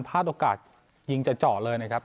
โอกาสยิงเจาะเลยนะครับ